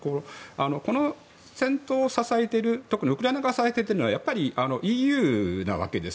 この戦闘を支えている特にウクライナ側を支えているのはやっぱりＥＵなわけです。